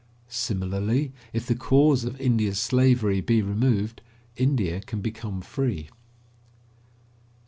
Similarly, if the cause of India's slavery be removed, India can become free.